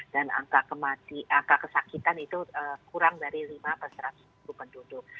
dan angka kesakitan itu kurang dari lima perseratus ribu penduduk